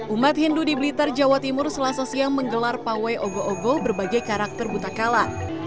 umat hindu di blitar jawa timur selasa siang menggelar pawai ogo ogo berbagai karakter buta kala